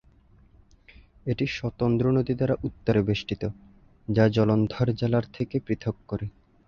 এটি শতদ্রু নদী দ্বারা উত্তরে বেষ্টিত, যা জলন্ধর জেলার থেকে পৃথক করে।